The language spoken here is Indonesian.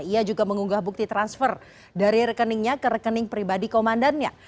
ia juga mengunggah bukti transfer dari rekeningnya ke rekening pribadi komandannya